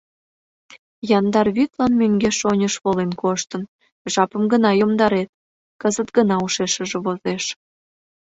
Яндар вӱдлан мӧҥгеш-оньыш волен коштын, жапым гына йомдарет, — кызыт гына ушешыже возеш.